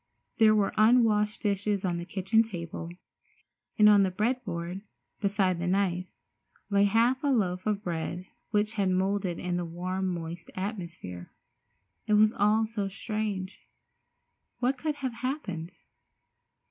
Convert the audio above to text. There were unwashed dishes on the kitchen table, and on the bread board, beside the knife, lay half a loaf of bread which had moulded in the warm, moist atmosphere. It was all very strange. What could have happened?